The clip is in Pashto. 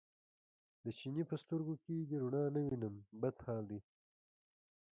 د چیني په سترګو کې دې رڼا نه وینم بد حال دی.